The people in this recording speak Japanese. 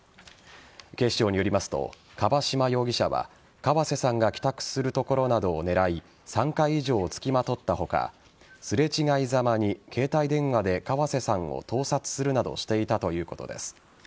警視庁によりますと樺島容疑者は河瀬さんが帰宅するところなどを狙い３回以上つきまとった他すれ違いざまに携帯電話で河瀬さんを盗撮するなどしていたということです。